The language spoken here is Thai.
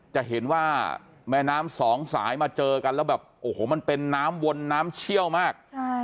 จะเห็นว่าแม่น้ำสองสายมาเจอกันแล้วแบบโอ้โหมันเป็นน้ำวนน้ำเชี่ยวมาก